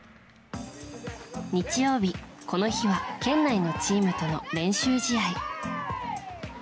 日曜日、この日は県内のチームとの練習試合。